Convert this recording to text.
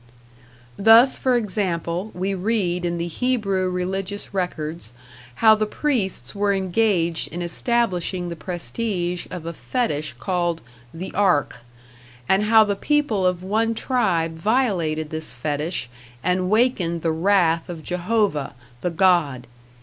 Thus, for example, we read in the Hebrew religious records how the priests were engaged in establishing the prestige of a fetish called "the ark"; and how the people of one tribe violated this fetish and wakened the wrath of Jehovah, the god.